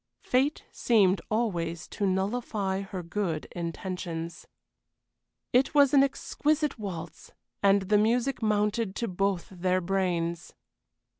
Fate seemed always to nullify her good intentions. It was an exquisite waltz, and the music mounted to both their brains.